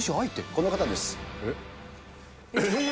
この方です。